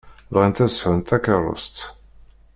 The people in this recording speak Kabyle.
Bɣant ad sɛunt takeṛṛust.